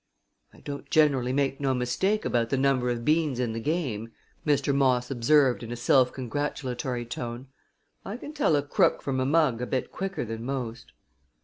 "I don't generally make no mistake about the number of beans in the game," Mr. Moss observed in a self congratulatory tone. "I can tell a crook from a mug a bit quicker than most."